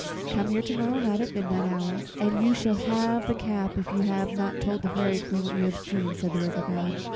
Come here to morrow night at midnight hour and you shall have the cap if you have not told the Fairy Queen what you have seen," said the River God.